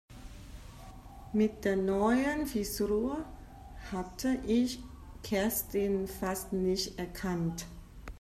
Mit der neuen Frisur hätte ich Kerstin fast nicht erkannt.